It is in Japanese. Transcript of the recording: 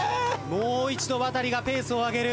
もう一度ワタリがペースを上げる。